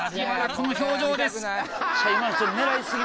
この表情です